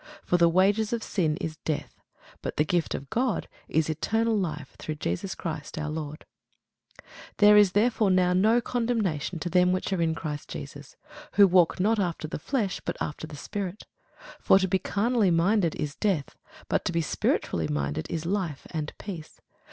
For the wages of sin is death; but the gift of God is eternal life through Jesus Christ our Lord. [Sidenote: Romans 5] There is therefore now no condemnation to them which are in Christ Jesus, who walk not after the flesh, but after the Spirit. For to be carnally minded is death; but to be spiritually minded is life and peace.